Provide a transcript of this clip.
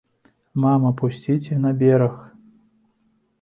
Мама, пусціце на бераг.